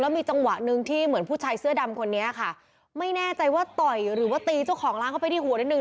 มีจังหวะหนึ่งที่เหมือนผู้ชายเสื้อดำคนนี้ค่ะไม่แน่ใจว่าต่อยหรือว่าตีเจ้าของร้านเข้าไปที่หัวนิดนึ